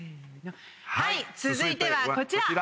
はい続いてはこちら！